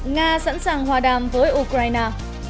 nga sẵn sàng hòa đàm với ukraine